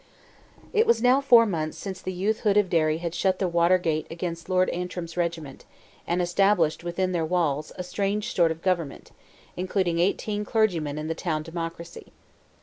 It was now four months since "the youthhood" of Derry had shut the Watergate against Lord Antrim's regiment, and established within their walls a strange sort of government, including eighteen clergymen and the town democracy.